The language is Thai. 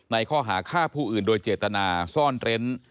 ข้อหาฆ่าผู้อื่นโดยเจตนาซ่อนเร้น